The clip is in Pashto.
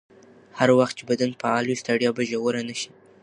هر وخت چې بدن فعال وي، ستړیا به ژوره نه شي.